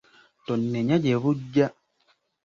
Tonnenya gye bujja.